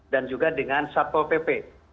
dan juga dengan satpol pp